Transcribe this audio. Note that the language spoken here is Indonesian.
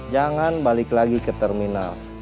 jangan balik lagi ke terminal